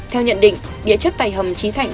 theo nhận định địa chất tài hầm trí thạnh